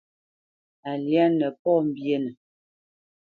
A lyá nə pɔ̌ mbyénə.